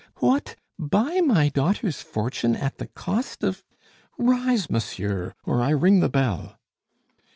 "What, buy my daughter's fortune at the cost of ? Rise, monsieur or I ring the bell."